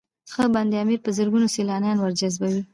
بند امیر په زرګونه سیلانیان ورجذبوي